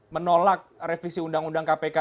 menolak revisi undang undang kpk